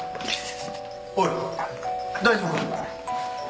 おい大丈夫か？